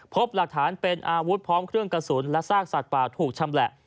พบหลักฐานเป็นอาวุธพร้อมเครื่องกระสุนและซากสัตว์ป่าถูกชำแหละ